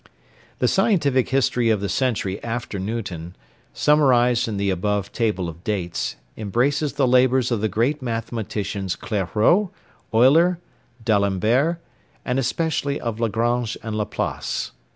The scientific history of the century after Newton, summarized in the above table of dates, embraces the labours of the great mathematicians Clairaut, Euler, D'Alembert, and especially of Lagrange and Laplace.